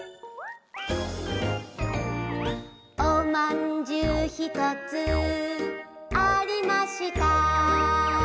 「おまんじゅうひとつありました」